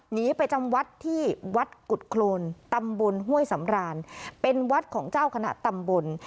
หนีไปจำวัดที่วัดกุฎโครนตำบลห้วยสำรานเป็นวัดของเจ้าคณะตำบล